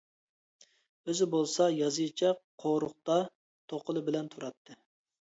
ئۆزى بولسا يازىچە قورۇقتا توقىلى بىلەن تۇراتتى.